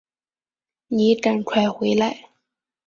妳赶快回来